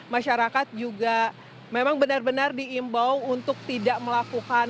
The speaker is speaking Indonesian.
masyarakat juga memang benar benar diimbau untuk tidak melakukan